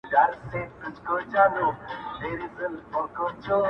بس دده ګناه همدا وه چي غویی وو -